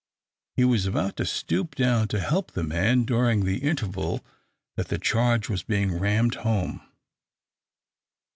He was about to stoop down to help the man during the interval that the charge was being rammed home.